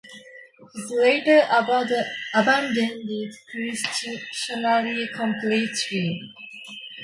He later abandoned Christianity completely.